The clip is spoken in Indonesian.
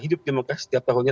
hidup jemaah haji setiap tahunnya